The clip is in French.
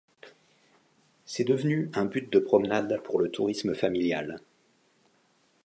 C’est devenu un but de promenade pour le tourisme familial.